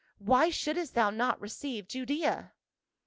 Why shouldst thou not receive Judea?"